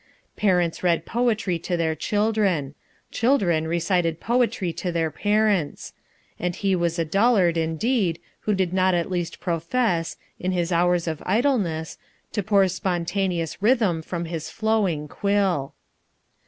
Parents read poetry to their children. Children recited poetry to their parents. And he was a dullard, indeed, who did not at least profess, in his hours of idleness, to pour spontaneous rhythm from his flowing quill.